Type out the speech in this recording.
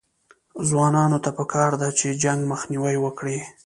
ځوانانو ته پکار ده چې، جنګ مخنیوی وکړي